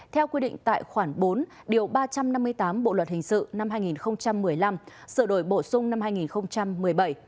theo quy định tại khoản bốn điều ba trăm năm mươi tám bộ luật hình sự năm hai nghìn một mươi năm sửa đổi bổ sung năm hai nghìn một mươi bảy